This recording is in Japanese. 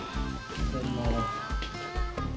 ただいま。